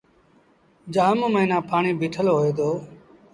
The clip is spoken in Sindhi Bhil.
جآم موهيݩآ پآڻيٚ بيٚٺل هوئي دو۔